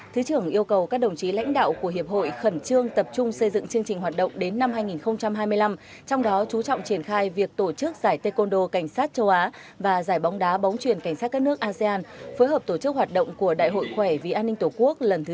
thứ trưởng yêu cầu các đồng chí lãnh đạo của hiệp hội khẩn trương tập trung xây dựng chương trình hoạt động đến năm hai nghìn hai mươi năm trong đó chú trọng triển khai việc tổ chức giải đô cảnh sát châu á và giải bóng đá bóng truyền cảnh sát các nước asean phối hợp tổ chức hoạt động của đại hội khỏe vì an ninh tổ quốc lần thứ ba mươi